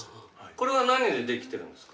これは何でできてるんですか？